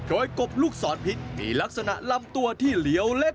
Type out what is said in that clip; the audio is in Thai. โดยกบลูกศรพิษมีลักษณะลำตัวที่เหลียวเล็ก